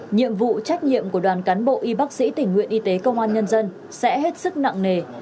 nhiệm vụ trách nhiệm của đoàn cán bộ y bác sĩ tình nguyện y tế công an nhân dân sẽ hết sức nặng nề